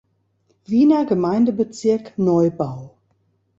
Wiener Gemeindebezirk Neubau.